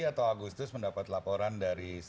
atau agustus mendapat laporan dari